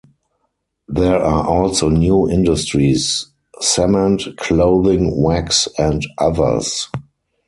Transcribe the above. There are also new industries: cement, clothing, wax and others.